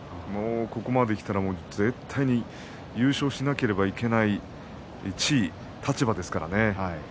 ここまできたら絶対に優勝しなければいけない地位、立場ですからね。